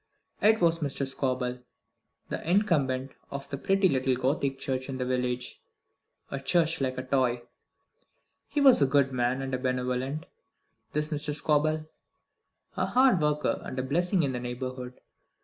It was Mr. Scobel, the incumbent of the pretty little Gothic church in the village a church like a toy. He was a good man and a benevolent, this Mr. Scobel; a hard worker, and a blessing in the neighbourhood.